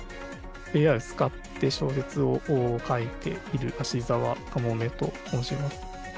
ＡＩを使って小説を書いている、葦沢かもめと申します。